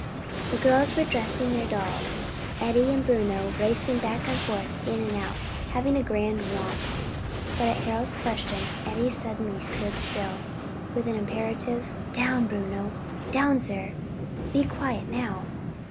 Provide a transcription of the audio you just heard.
The little girls were dressing their dolls, Eddie and Bruno racing back and forth, in and out, having a grand romp: but at Harold's question, Eddie suddenly stood still, with an imperative, "Down, Bruno! down sir! be quiet now!"